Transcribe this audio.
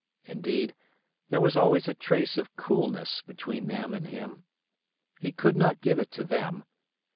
Indeed, there was always a trace of coolness between them and him. He could not give it to them.